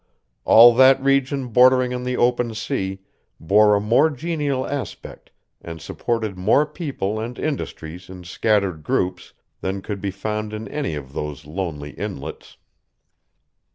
All that region bordering on the open sea bore a more genial aspect and supported more people and industries in scattered groups than could be found in any of those lonely inlets.